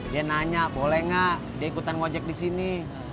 dia nanya boleh gak dia ikutan ngajek disini